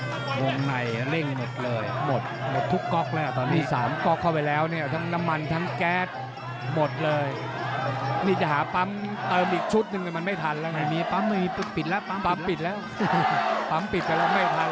อเจมส์วงในเร่งหมดเลยหมดทุกก๊อกแล้วตอนนี้๓ก๊อกเข้าไปแล้วทั้งน้ำมันทั้งแก๊สหมดเลยนี่จะหาปั๊มเติมอีกชุดหนึ่งมันไม่ทันแล้วปั๊มปิดแล้วปั๊มปิดไปแล้วไม่ทัน